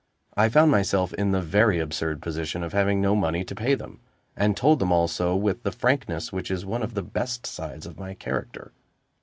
I found myself in the very absurd position of having no money to pay them, and told them all so with the frankness which is one of the best sides of my character.